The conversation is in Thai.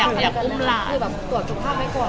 มากอยากอุ้มราค์